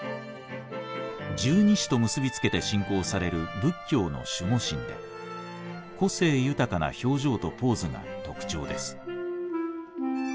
十二支と結び付けて信仰される仏教の守護神で個性豊かな表情とポーズが特徴です。